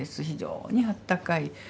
非常にあったかい